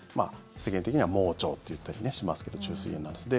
世間的には盲腸と言ったりしますけど虫垂炎なんです。